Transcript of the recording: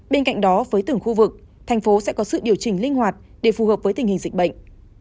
bên cạnh đó với từng khu vực thành phố sẽ có sự điều chỉnh linh hoạt để phù hợp với tình hình dịch bệnh